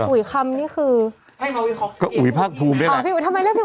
อุ๋ยคำนี่คืออุ๋ยภาคภูมินี่แหละ